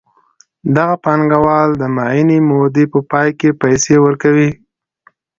دغه پانګوال د معینې مودې په پای کې پیسې ورکوي